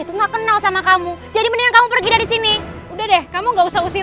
tuh nggak kenal sama kamu jadi mendingan kamu pergi dari sini udah deh kamu nggak usah usia